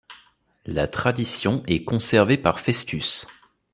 La tradition est conservée par Festus.